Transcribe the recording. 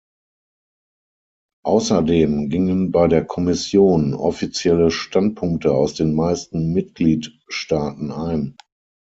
Außerdem gingen bei der Kommission offizielle Standpunkte aus den meisten Mitgliedstaaten ein.